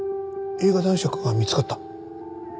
映画男爵が見つかった？